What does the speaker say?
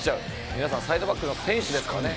皆さんサイドバックの選手ですからね。